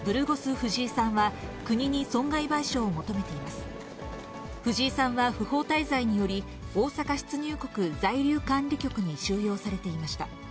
フジイさんは不法滞在により、大阪出入国在留管理局に収容されていました。